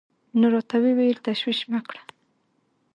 نو راته وويل تشويش مه کړه.